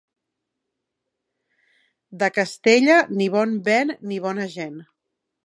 De Castella, ni bon vent ni bona gent.